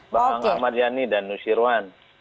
bang ahmad yani dan nusirwan